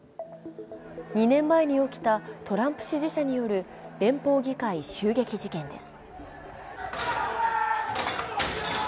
２年前に起きたトランプ支持者による連邦議会襲撃事件です。